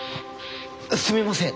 すみません